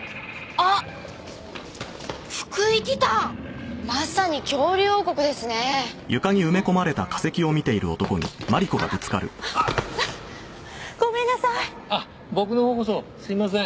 あっ僕のほうこそすみません。